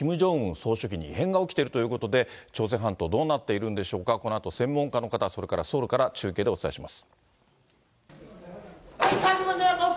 総書記に異変が起きているということで、朝鮮半島どうなっているんでしょうか、このあと、専門家の方、それからソウルから中継でお伝えします。